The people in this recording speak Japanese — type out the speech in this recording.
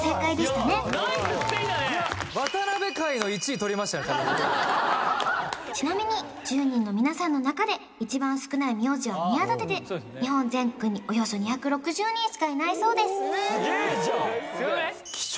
たぶん僕今ちなみに１０人の皆さんの中で一番少ない名字は「宮舘」で日本全国におよそ２６０人しかいないそうですすげえじゃん！